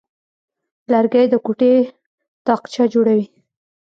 لرګی د کوټې تاقچه جوړوي.